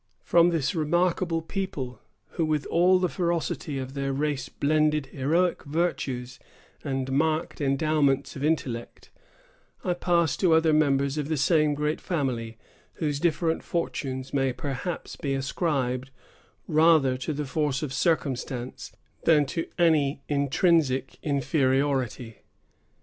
From this remarkable people, who with all the ferocity of their race blended heroic virtues and marked endowments of intellect, I pass to other members of the same great family, whose different fortunes may perhaps be ascribed rather to the force of circumstance, than to any intrinsic inferiority.